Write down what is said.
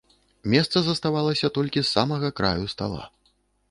Месца заставалася толькі з самага краю стала.